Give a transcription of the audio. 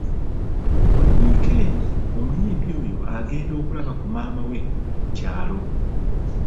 Buli wiikendi omuyimbi oyo agenda okulaba ku maama we mu kyalo.